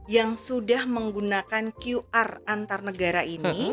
yang sudah menggunakan qr antar negara ini